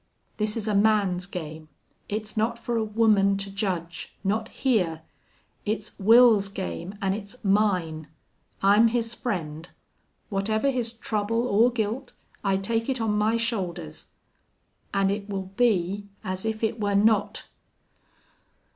This is a man's game. It's not for a woman to judge. Not here! It's Wils's game an' it's mine. I'm his friend. Whatever his trouble or guilt, I take it on my shoulders. An' it will be as if it were not!"